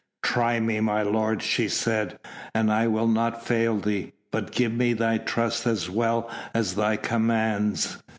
"Try me, my lord," she said, "and I'll not fail thee. But give me thy trust as well as thy commands."